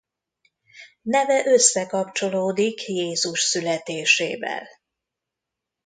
Neve összekapcsolódik Jézus születésével.